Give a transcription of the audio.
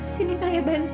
sini saya bantu nont